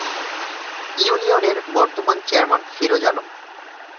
ইউনিয়নের বর্তমান চেয়ারম্যান ফিরোজ আলম।